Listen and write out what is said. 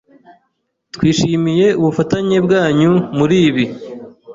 Twishimiye ubufatanye bwanyu muribi.